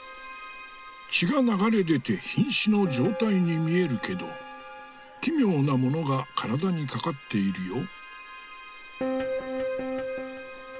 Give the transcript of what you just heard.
血が流れ出て瀕死の状態に見えるけど奇妙なものが体にかかっているよ。